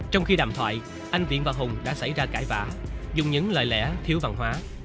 trong khi đàm thoại anh viện và hùng đã xảy ra cãi vã dùng những lời lẽ thiếu văn hóa